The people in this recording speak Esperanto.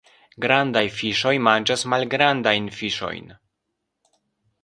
Grandaj fiŝoj manĝas malgrandajn fiŝojn.